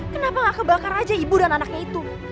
kenapa gak kebakar aja ibu dan anaknya itu